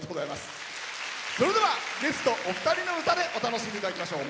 それでは、ゲストお二人の歌でお楽しみいただきましょう。